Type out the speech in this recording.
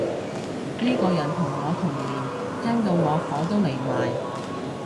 呢個人同我同年，聽到我火都嚟埋